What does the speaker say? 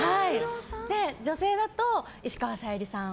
女性だと石川さゆりさん